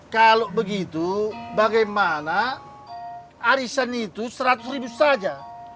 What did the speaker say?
kalau begitu bagaimana arisan itu seratus ribu saja